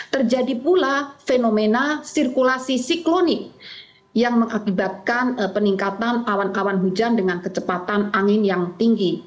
terjadi pula fenomena sirkulasi siklonik yang mengakibatkan peningkatan awan awan hujan dengan kecepatan angin yang tinggi